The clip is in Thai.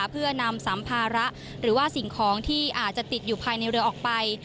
เพื่อนำสัมภาระหรือว่าสิ่งของที่อาจจะติดอยู่ภายในเรือออกไป